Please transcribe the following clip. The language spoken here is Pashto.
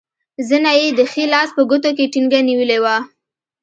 زنه یې د ښي لاس په ګوتو کې ټینګه نیولې وه.